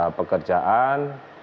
tidak ada pekerjaan